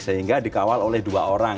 sehingga dikawal oleh dua orang